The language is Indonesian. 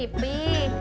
oke lihat kan